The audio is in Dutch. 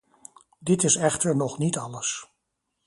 Dit is echter nog niet alles.